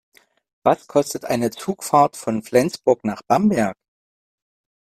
Was kostet eine Zugfahrt von Flensburg nach Bamberg?